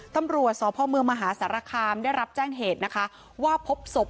ตำรวจสพมมหาศรคามได้รับแจ้งเหตุว่าพบศพ